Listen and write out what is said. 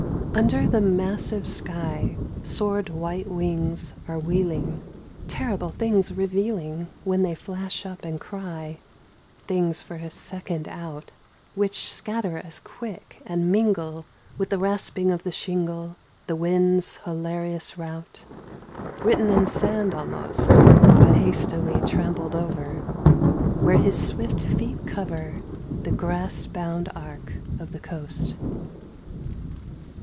Under the massive sky, sword white wings are wheeling Terrible things revealing when they flash up and cry Things for a second out, which scatter as quick and mingle With the rasping of the shingle, the wind's hilarious rout ; Written in sand almost, but hastily trampled over Where his swift feet cover the grass bound arc of the coast.